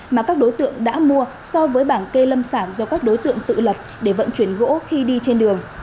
mà các đối tượng đã mua so với bảng kê lâm sản do các đối tượng tự lập để vận chuyển gỗ khi đi trên đường